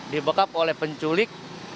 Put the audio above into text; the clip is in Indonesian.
dibekap oleh penculik